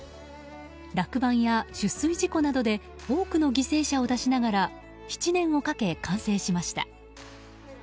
落盤や出水事故などで多くの犠牲者を出しながら７年をかけ完成させました。